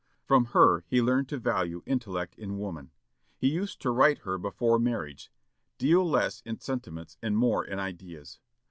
From her he learned to value intellect in woman. He used to write her before marriage, "Deal less in sentiments, and more in ideas."